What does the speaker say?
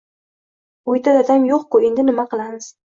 Uyda dadam yo‘q-ku, endi nima qilamiz?